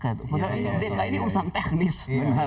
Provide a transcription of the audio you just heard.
karena dki ini urusan teknis